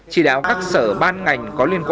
chỉ đáo các sở ban ngành có lý do